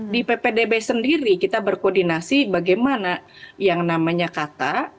di ppdb sendiri kita berkoordinasi bagaimana yang namanya kata